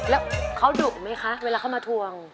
แล้วเขาดุไหมคะเวลาเขามาทวง